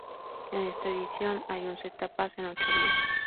En esta edición hay once etapas en ocho días.